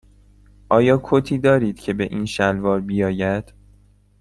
آیا کتی دارید که به این شلوار بیاید؟